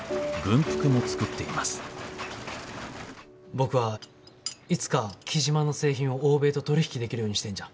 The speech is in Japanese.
僕はいつか雉真の製品を欧米と取り引きできるようにしたいんじゃ。